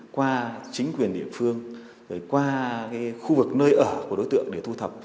qua chính quyền địa phương qua khu vực nơi ở của đối tượng để thu thập